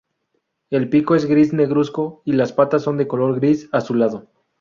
El pico es gris negruzco y las patas son de color gris azulado.